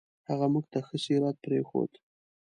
هغه موږ ته ښه سیرت پرېښود.